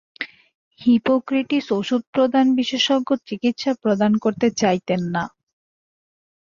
Hippocrates ওষুধ প্রদান বিশেষজ্ঞ চিকিৎসা প্রদান করতে চাইতেন না।